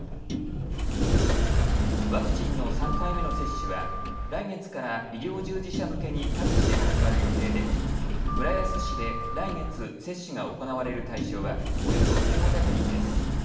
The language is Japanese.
ワクチンの３回目の接種は来月から医療従事者向けに各地で始まる予定で浦安市で来月、接種が行われる対象はおよそ１５００人です。